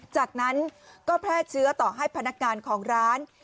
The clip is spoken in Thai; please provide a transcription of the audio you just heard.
จากนั้นก็แพร่เชื้อต่อให้พนักงานของร้าน